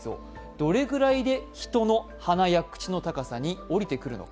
どれくらいで人の鼻や口の高さに下りてくるのか。